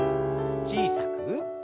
小さく。